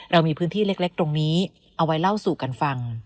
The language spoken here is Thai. เรามีพื้นที่เล็กตรงนี้เอาไว้เล่าสู่กันฟัง